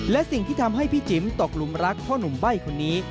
และสิ่งที่ทำให้พี่จิ๋มตกหลุมรักพ่อหนุ่มใบ้คนนี้